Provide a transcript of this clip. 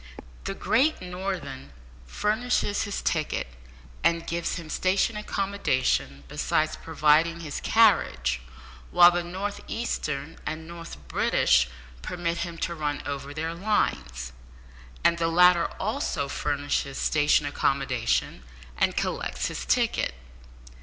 The Great Northern furnishes his ticket, and gives him station accommodation besides providing his carriage, while the North Eastern and North British permit him to run over their lines; and the latter also furnishes station accommodation, and collects his ticket.